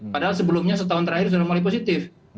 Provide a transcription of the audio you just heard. padahal sebelumnya setahun terakhir sudah mulai positif